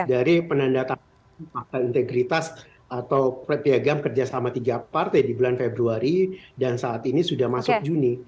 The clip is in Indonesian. dari penandataan fakta integritas atau piagam kerjasama tiga partai di bulan februari dan saat ini sudah masuk juni